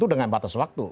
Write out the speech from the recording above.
tidak dengan batas waktu